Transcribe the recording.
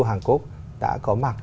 hàn quốc đã có mặt